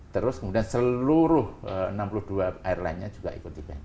terus kemudian seluruh enam puluh dua airlinenya juga ikut di ban